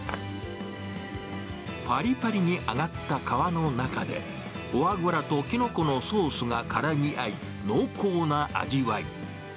ぱりぱりに揚がった皮の中で、フォアグラときのこのソースがからみ合い、濃厚な味わい。